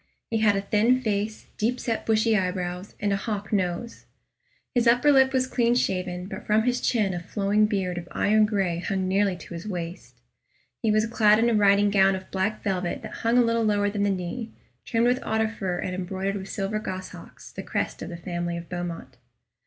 He had a thin face, deep set bushy eyebrows, and a hawk nose. His upper lip was clean shaven, but from his chin a flowing beard of iron gray hung nearly to his waist. He was clad in a riding gown of black velvet that hung a little lower than the knee, trimmed with otter fur and embroidered with silver goshawks the crest of the family of Beaumont.